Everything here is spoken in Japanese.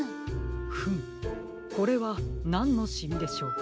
フムこれはなんのシミでしょうか。